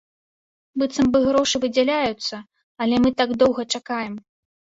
Быццам бы грошы выдзяляюцца, але мы так доўга чакаем.